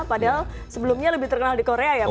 padahal sebelumnya lebih terkenal di korea ya pak